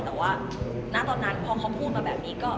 แต่ว่าณตอนนั้นพอเขาพูดมาแบบนี้ก็